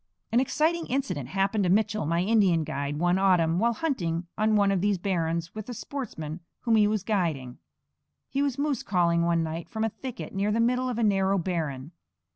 An exciting incident happened to Mitchell, my Indian guide, one autumn, while hunting on one of these barrens with a sportsman whom he was guiding. He was moose calling one night from a thicket near the middle of a narrow barren.